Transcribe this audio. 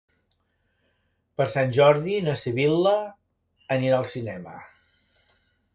Per Sant Jordi na Sibil·la anirà al cinema.